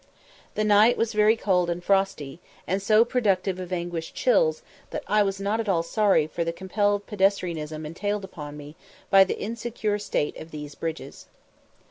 The night was very cold and frosty, and so productive of aguish chills, that I was not at all sorry for the compelled pedestrianism entailed upon me by the insecure state of these bridges.